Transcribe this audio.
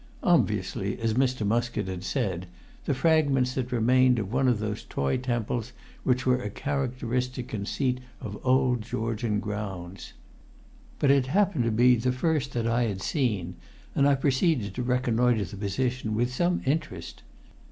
Obviously, as Mr. Muskett had said, the fragments that remained of one of those toy temples which were a characteristic conceit of old Georgian grounds. But it happened to be the first that I had seen, and I proceeded to reconnoitre the position with some interest.